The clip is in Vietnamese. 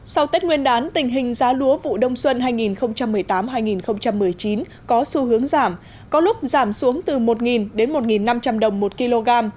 sau tết nguyên đán tình hình giá lúa vụ đông xuân hai nghìn một mươi tám hai nghìn một mươi chín có xu hướng giảm có lúc giảm xuống từ một đến một năm trăm linh đồng một kg